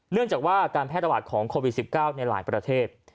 เนื่องจากว่าการแพร่ระบาดของโควิด๑๙ในหลายประเทศ